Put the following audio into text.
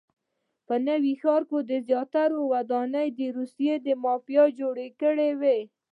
په نوي ښار کې زیاتره ودانۍ روسیې مافیا جوړې کړي.